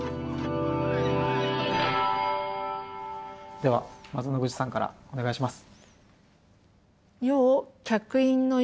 ではまず野口さんからお願いします。